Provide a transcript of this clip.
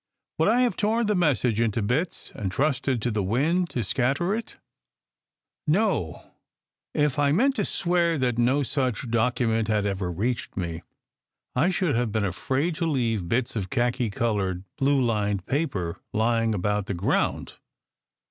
Would I have torn the message into bits and trusted to the wind to scatter it? ... No! If I meant to swear that no such document had ever reached me, I should have been afraid to leave bits of khaki coloured, blue lined paper lying about the ground.